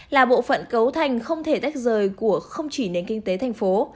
là bộ phận cấu thành không thể tách rời của không chỉ nền kinh tế thành phố